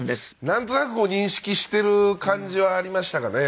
なんとなく認識している感じはありましたかね。